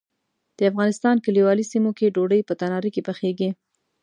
د افغانستان کلیوالي سیمو کې ډوډۍ په تناره کې پخیږي.